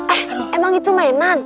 eh emang itu mainan